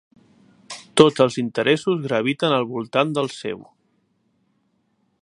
Tots els interessos graviten al voltant del seu.